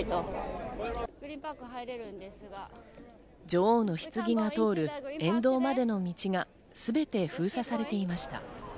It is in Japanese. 女王のひつぎが通る沿道までの道がすべて封鎖されていました。